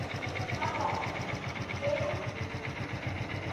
د شیعه او د سني، د خېل او د زیي